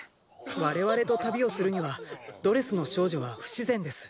我々と旅をするにはドレスの少女は不自然です。